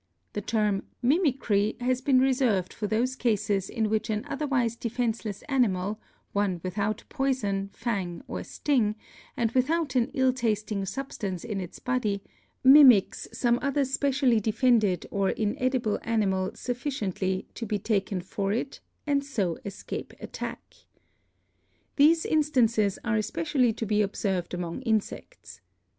The term mimicry has been reserved for those cases in which an otherwise defenseless animal, one without poison, fang or sting, and without an ill tasting substance in its body, mimics some other specially defended or inedible animal sufficiently to be taken for it and so escape attack. These instances are especially to be observed among insects.